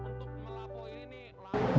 tentunya versi favorit saya